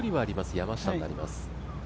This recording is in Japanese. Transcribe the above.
山下になります。